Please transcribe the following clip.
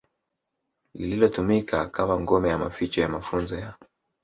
lililotumika kama ngome ya maficho ya mafunzo ya